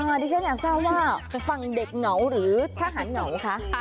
ดิฉันอยากทราบว่าฝั่งเด็กเหงาหรือทหารเหงาคะ